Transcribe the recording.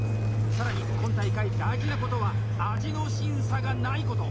さらに今大会大事なことは味の審査がないこと。